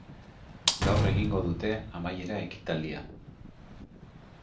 Gaur egingo dute amaiera ekitaldia.